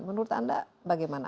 menurut anda bagaimana